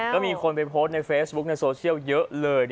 ก็มีคนไปโพสต์ในเฟซบุ๊คในโซเชียลเยอะเลย